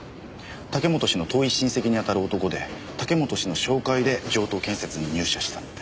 武本氏の遠い親戚にあたる男で武本氏の紹介で城東建設に入社したって。